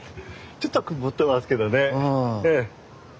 ちょっと曇ってますけどね。